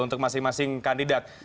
untuk masing masing kandidat